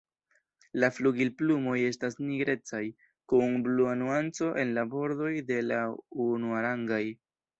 La flugilplumoj estas nigrecaj, kun blua nuanco en la bordoj de la unuarangaj.